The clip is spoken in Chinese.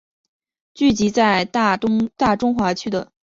剧集在大中华区的其他译名可参考。